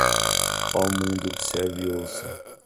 Oh, mundo, observe e ouça